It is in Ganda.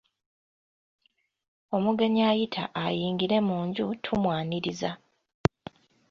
Omugenyi ayita ayingire mu nju tumwaniriza.